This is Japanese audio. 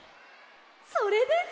それです！